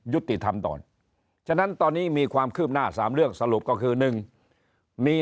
ยุติธรรมก่อนฉะนั้นตอนนี้มีความคืบหน้า๓เรื่องสรุปก็คือ๑มี